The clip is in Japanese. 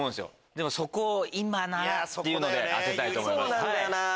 でもそこを今ならというので当てたいと思います。